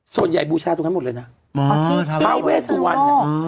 ส่วนใหญ่บูชาตรงนั้นหมดเลยนะทาเวสุวรรณ